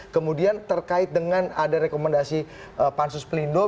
kemudian terkait dengan ada rekomendasi pansus pelindo